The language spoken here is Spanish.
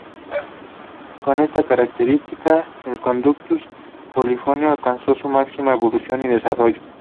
Con esta característica, el "conductus" polifónico alcanzó su máxima evolución y desarrollo.